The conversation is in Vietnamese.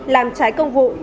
làm trái công vụ